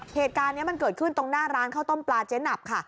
เหตุการณ์นี้มันเกิดขึ้นตรงหน้าร้านข้าวต้มปลาเจ๊หนับค่ะ